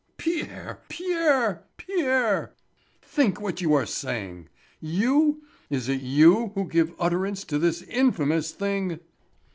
"Pierre! Pierre! Pierre! Think what you are saying. You? Is it you who give utterance to this infamous thing?"